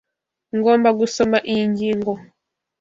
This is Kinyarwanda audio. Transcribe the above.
Ngomba gusoma iyi ngingo.